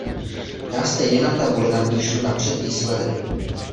Já stejně na tabuli napíšu napřed výsledek.